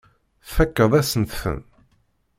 Tfakkeḍ-asent-ten.